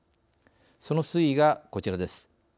その推移が、こちらです。